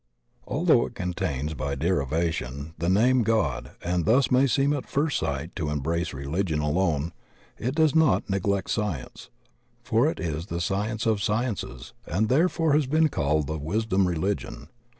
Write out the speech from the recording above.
Although it contains by derivation the name God and thus may seem at first sight to embrace reUgion alone, it does not neglect science, for it is the science of sciences and therefore has been called the wisdom reUgion.